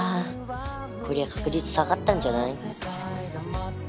こりゃ確率下がったんじゃない？